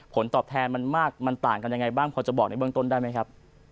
ผลตอบแทนมันมากมันต่างกันยังไงบ้างพอจะบอกในเบื้องต้นได้ไหมครับ